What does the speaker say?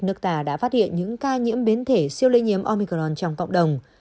nước ta đã phát hiện những ca nhiễm biến thể siêu lây nhiễm omicron trong cộng đồng